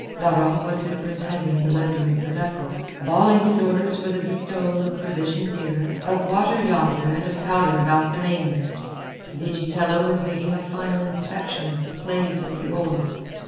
Larocque was superintending the loading of the vessel, bawling his orders for the bestowal of provisions here, of water yonder, and of powder about the mainmast. Vigitello was making a final inspection of the slaves at the oars.